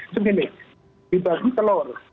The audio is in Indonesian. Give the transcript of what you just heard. seperti ini dibagi telur